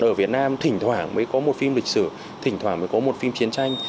ở việt nam thỉnh thoảng mới có một phim lịch sử thỉnh thoảng mới có một phim chiến tranh